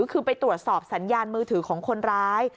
คือไปตรวจสอบสัญญาณมือถือของคนร้าย